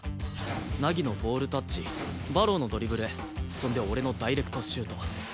凪のボールタッチ馬狼のドリブルそんで俺のダイレクトシュート。